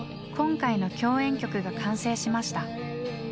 今回の共演曲が完成しました。